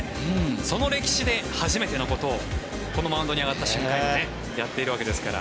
その歴史で初めてのことをこのマウンドに上がった瞬間にやっているわけですから。